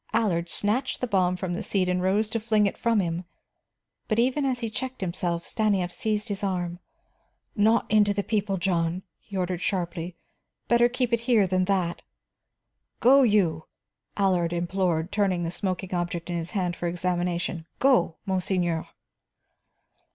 Allard snatched the bomb from the seat and rose to fling it from him, but even as he checked himself, Stanief seized his arm. "Not into the people, John," he ordered sharply. "Better keep it here than that." "Go, you!" Allard implored, turning the smoking object in his hands for examination. "Go, monseigneur!"